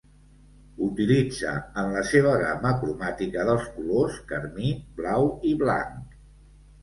Utilitza en la seva gamma cromàtica dels colors carmí, blau i blanc.